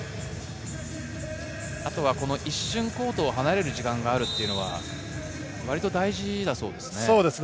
あとは、一瞬、コートを離れる時間があるっていうのはわりと大事だそうですね。